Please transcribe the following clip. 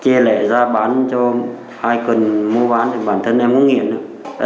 chê lẻ ra bán cho ai cần mua bán thì bản thân em không nghiện nữa